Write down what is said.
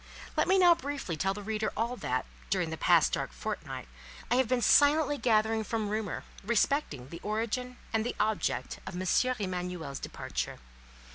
Let me now briefly tell the reader all that, during the past dark fortnight, I have been silently gathering from Rumour, respecting the origin and the object of M. Emanuel's departure.